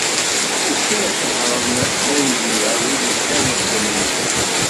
Akka i qehren lenbiya, wid yellan uqbel-nwen.